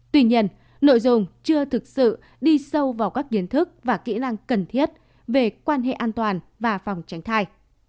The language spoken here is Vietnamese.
tuy nhiên nội dung chưa thực sự đi sâu vào các kiến thức và kỹ năng cần thiết về quan hệ an toàn và phòng tránh thai